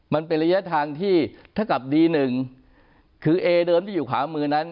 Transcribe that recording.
มันเป็นระยะทางที่ถ้ากลับดีหนึ่งคือเอเดิมที่อยู่ขวามือนั้น